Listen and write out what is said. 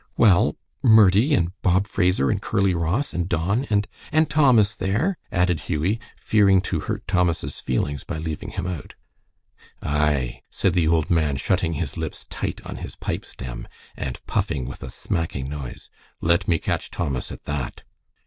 "Well, Murdie, and Bob Fraser, and Curly Ross, and Don, and and Thomas, there," added Hughie, fearing to hurt Thomas' feelings by leaving him out. "Ay," said the old man, shutting his lips tight on his pipestem and puffing with a smacking noise, "let me catch Thomas at that!"